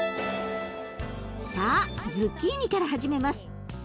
さあズッキーニから始めます。